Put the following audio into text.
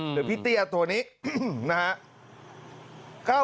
หรือพี่เตี้ยตัวนี้นะครับ